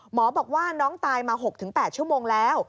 หมอบอกว่าน้องตายมา๖๘ชั่วโมงแล้ว